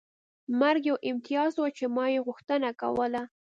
مرګ یو امتیاز و چې ما یې غوښتنه کوله